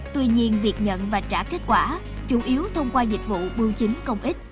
tuy nhiên việc nhận và trả kết quả chủ yếu thông qua dịch vụ bưu chính công ích